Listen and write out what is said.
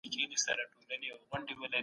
هغه څېړنه چي کره نه وي ارزښت نلري.